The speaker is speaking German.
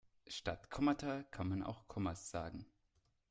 Statt Kommata kann man auch Kommas sagen.